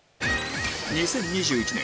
２０２１年